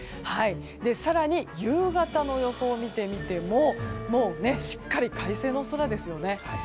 更に、夕方の予想を見てみてもしっかり快晴の空ですよね。